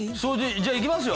じゃあいきますよ。